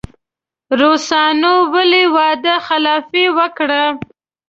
روسانو ولې وعده خلافي وکړه.